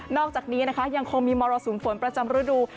อกจากนี้นะคะยังคงมีมรสุมฝนประจำฤดู